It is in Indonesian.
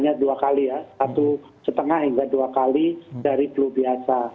daripada varian delta flu kemudian kalau varian omikron ini hanya dua kali ya satu lima hingga dua kali dari flu biasa